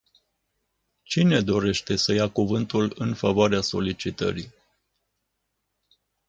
Cine dorește să ia cuvântul în favoarea solicitării?